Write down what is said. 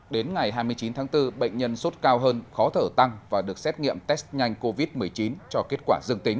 đến ngày hai mươi chín tháng bốn bệnh nhân sốt cao hơn khó thở tăng và được xét nghiệm test nhanh covid một mươi chín cho kết quả dương tính